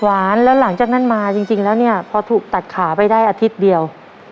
หลังจากนั้นแล้วหลังจากนั้นมาจริงแล้วเนี่ยพอถูกตัดขาไปได้อาทิตย์เดียว